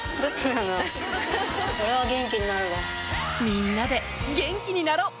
みんなで元気になろう！